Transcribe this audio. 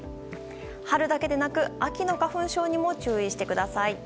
春だけでなく、秋の花粉症にも注意してください。